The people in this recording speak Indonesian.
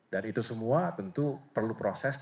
dan itu semua tentu perlu proses